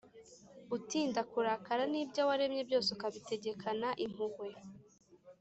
utinda kurakara, n’ibyo waremye byose ukabitegekana impuhwe.